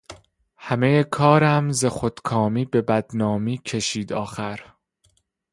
همه کارم ز خود کامی به بدنامی کشید آخر